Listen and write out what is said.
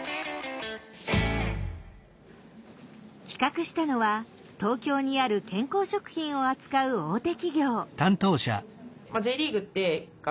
企画したのは東京にある健康食品を扱う大手企業。